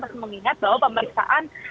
harus mengingat bahwa pemeriksaan